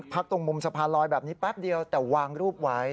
ตรงมุมสะพานลอยแบบนี้แป๊บเดียวแต่วางรูปไว้